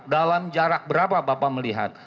dalam jarak berapa bapak melihat